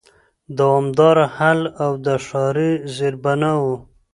د دوامدار حل او د ښاري زېربناوو